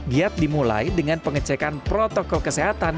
giat dimulai dengan pengecekan protokol kesehatan